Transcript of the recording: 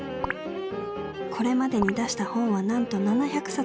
これまでに出した本はなんと７００冊！